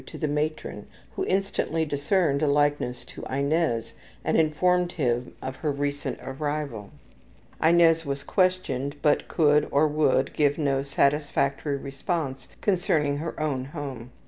to the matron, who instantly discerned a likeness to Inez and informed him of her recent arrival. Inez was questioned, but could or would give no satisfactory response concerning her own home.